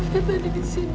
dia tadi di sini